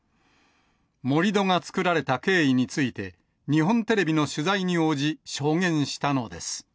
盛り土が作られた経緯について、日本テレビの取材に応じ、証言したのです。